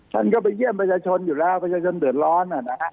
ท่านก็ไปเยี่ยมประชาชนอยู่แล้วประชาชนเดือดร้อน